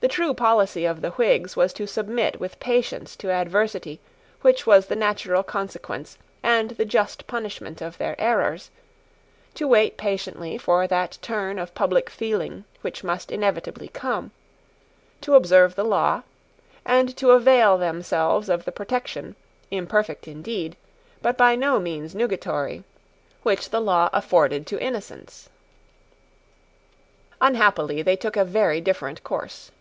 The true policy of the Whigs was to submit with patience to adversity which was the natural consequence and the just punishment of their errors, to wait patiently for that turn of public feeling which must inevitably come, to observe the law, and to avail themselves of the protection, imperfect indeed, but by no means nugatory, which the law afforded to innocence. Unhappily they took a very different course.